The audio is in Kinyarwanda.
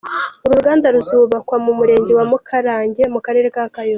Uru ruganda ruzubakwa mu murenge wa Mukarange mu karere ka Kayonza.